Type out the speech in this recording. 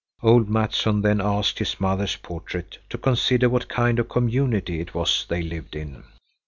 Old Mattsson then asked his mother's portrait to consider what kind of a community it was they lived in.